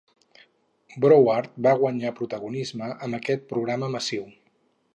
Broward va guanyar protagonisme amb aquest programa massiu.